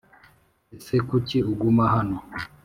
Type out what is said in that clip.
ese kuki uguma hano?